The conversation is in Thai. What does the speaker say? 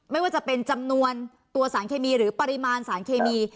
ไม่ว่าจะเป็นจำนวนตัวสารเคมีหรือปริมาณสารเคมี